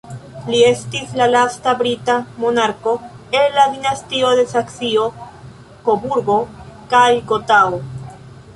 Li estis la lasta brita monarko el la dinastio de Saksio-Koburgo kaj Gotao.